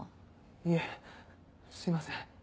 いえすいません。